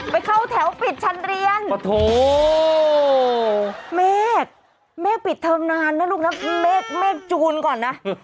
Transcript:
ไปเข้าแถวปิดชั้นเรียนโอ้โฮแม่กแม่กปิดเทอมนานนะลูกนะแม่กจูนก่อนนะ